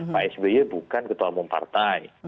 pak sby bukan ketua umum partai